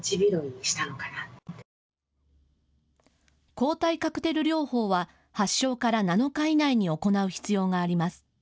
抗体カクテル療法は発症から７日以内に行う必要があります。